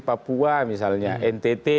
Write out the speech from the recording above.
papua misalnya ntt